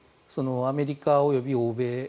アメリカ及び欧米